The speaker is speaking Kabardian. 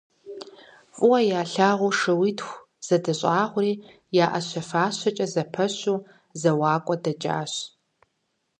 ФӀыуэ ялъагъуу шууитху зэдэщӀагъури я Ӏэщэ фащэкӀэ зэпэщу зэуакӀуэ дэкӀащ.